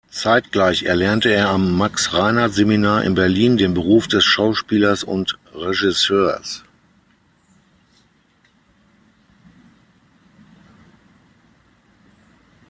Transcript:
Zeitgleich erlernte er am Max-Reinhardt-Seminar in Berlin den Beruf des Schauspielers und Regisseurs.